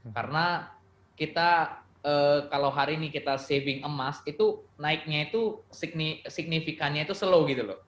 karena kalau hari ini kita saving emas naiknya itu signifikannya itu slow gitu loh